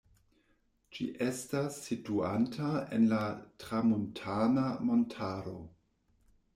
Ĝi estas situanta en la Tramuntana-montaro.